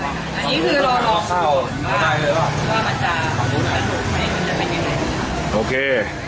ต่อไปอ๋ออันนี้คือรอรอควรว่ามันจะมันจะเป็นยังไงโอเค